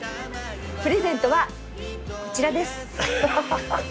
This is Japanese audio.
プレゼントはこちらです。